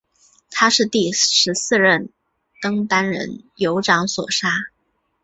他是第十四任登丹人酋长所杀。